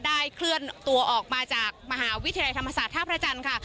เคลื่อนตัวออกมาจากมหาวิทยาลัยธรรมศาสตร์ท่าพระจันทร์ค่ะ